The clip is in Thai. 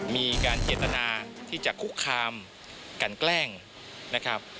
มีการเจตนาที่จะคุกคามกันแกล้งนะครับ